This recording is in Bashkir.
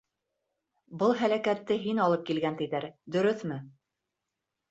— Был һәләкәтте һин алып килгән, тиҙәр, дөрөҫмө?